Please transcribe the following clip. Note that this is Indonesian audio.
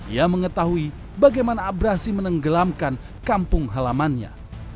ia mengetahui bagaimana abrasi menenggelamkan kampung halamannya